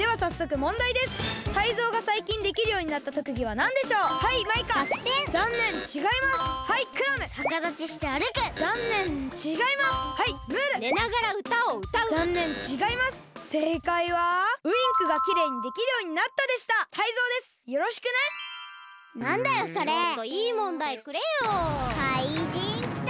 もっといい問題くれよ！かいじんきた！